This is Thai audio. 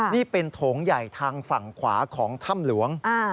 นี่เป็นโถงใหญ่ทางฝั่งขวาของถ้ำหลวง